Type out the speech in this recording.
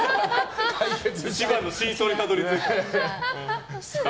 一番の真相にたどり着いた。